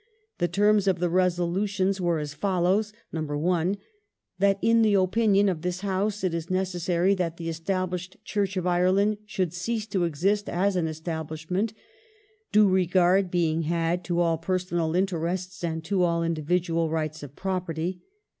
The terms of resolu^ the resolutions were as follows: "(1) That in the opinion of thistions House it is necessary that the Established Church of Ireland should cease to exist as an establishment ; due regard being had to all personal interests and to all individual rights of property.